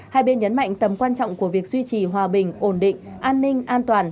hai bên nhấn mạnh tầm quan trọng của việc duy trì hòa bình ổn định an ninh an toàn